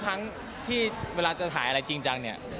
ทั้งที่เวลาจะถ่ายอะไรจริงจังเนี่ย